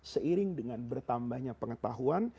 seiring dengan bertambahnya pengetahuan